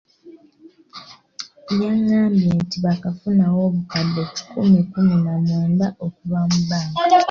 Yagambye nti baakafunawo obukadde kikumi kkumi na mwenda okuva mu banka.